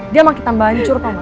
dia makin tambahan curta mak